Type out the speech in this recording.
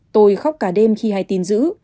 tôi khóc cả đêm khi hay tin giữ